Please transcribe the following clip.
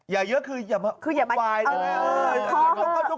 อย่าเยอะคืออย่ามาคืออย่ามาอ๋อขอเถอะ